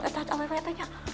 eh tante apa apa ya tanya